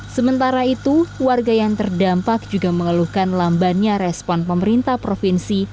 sementara itu warga yang terdampak juga mengeluhkan lambannya respon pemerintah provinsi